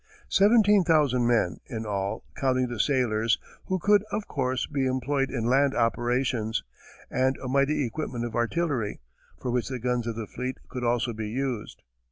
Seventeen thousand men, in all, counting the sailors, who could, of course, be employed in land operations; and a mighty equipment of artillery, for which the guns of the fleet could also be used.